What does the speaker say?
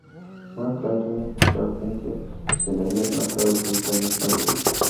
Marc-Antoine Charpentier se le había adelantado treinta años antes.